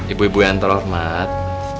ibu ibu yang terhormat